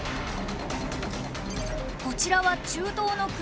こちらは中東の国